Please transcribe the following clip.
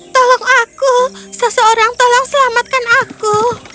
tolong aku seseorang tolong selamatkan aku